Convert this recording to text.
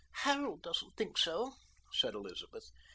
"Harold doesn't think so," said Elizabeth.